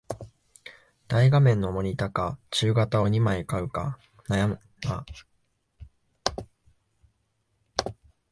大画面のモニタか中型を二枚買うか悩むな